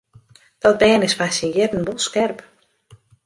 Dat bern is foar syn jierren wol skerp.